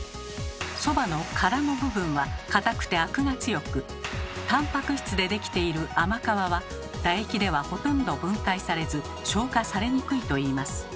そばの殻の部分は硬くてアクが強くたんぱく質で出来ている甘皮は唾液ではほとんど分解されず消化されにくいといいます。